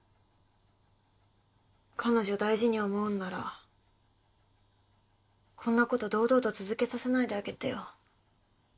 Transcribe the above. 彼女を大事に思うんならこんなこと堂々と続けさせないであげてよ。